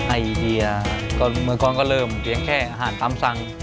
ไอเดียก็เมื่อก่อนก็เริ่มเลี้ยงแค่อาหารตามสั่ง